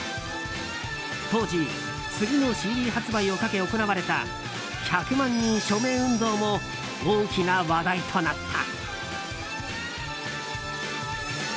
当時、次のＣＤ発売をかけ行われた１００万人署名運動も大きな話題となった。